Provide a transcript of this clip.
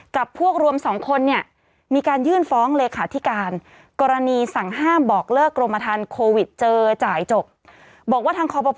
กับพวกรวม๒คนนี่มีการยื่นฟ้องเลยค่ะ